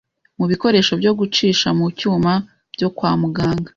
mu bikoresho byo gucisha mu cyuma byo kwa muganga